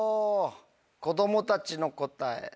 子供たちの答え。